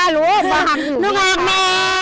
หนูลองแม่